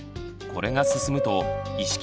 これが進むと意識